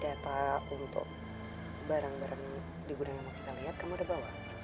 data untuk barang barang di gudang yang mau kita lihat kamu udah bawa